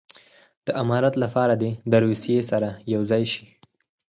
د امارت لپاره دې د روسیې سره یو ځای شي.